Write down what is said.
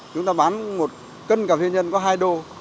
chúng ta bán một cân cà phê nhân có hai đô